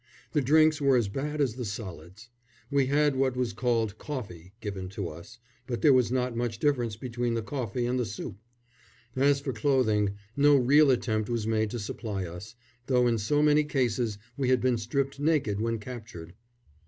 The drinks were as bad as the solids. We had what was called coffee given to us; but there was not much difference between the coffee and the soup. As for clothing, no real attempt was made to supply us, though in so many cases we had been stripped naked when captured.